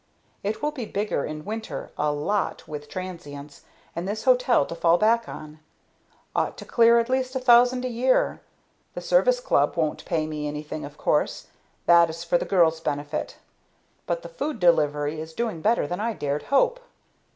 It will be bigger in winter, a lot, with transients, and this hotel to fall back on; ought to clear at least a thousand a year. The service club don't pay me anything, of course; that is for the girls' benefit; but the food delivery is doing better than I dared hope."